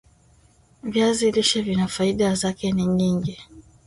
viazi lishe vina faida zake ni nyingi